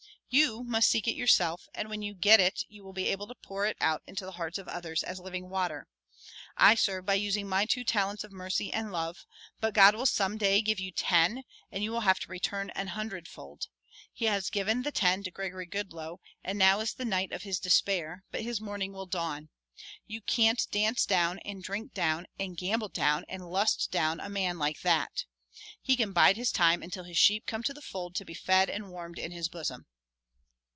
You must seek it yourself, and when you get it you will be able to pour it out into the hearts of others as living water. I serve by using my two talents of mercy and love, but God will some day give you ten and you will have to return an hundred fold. He has given the ten to Gregory Goodloe, and now is the night of his despair, but his morning will dawn. You can't dance down and drink down and gamble down and lust down a man like that. He can bide his time until his sheep come to the fold to be fed and warmed in his bosom."